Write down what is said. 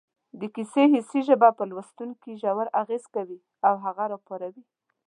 د کیسې حسي ژبه پر لوستونکي ژور اغېز کوي او هغه پاروي